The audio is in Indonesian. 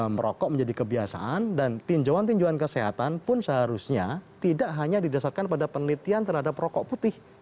merokok menjadi kebiasaan dan tinjauan tinjauan kesehatan pun seharusnya tidak hanya didasarkan pada penelitian terhadap rokok putih